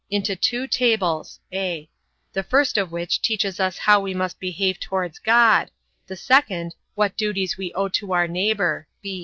A. Into two tables; (a) the first of which teaches us how we must behave towards God; the second, what duties we owe to our neighbour.